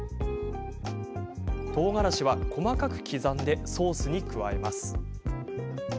とうがらしは、細かく刻んでソースに加えます。